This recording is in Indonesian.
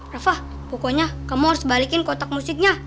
refah pokoknya kamu harus balikin kotak musiknya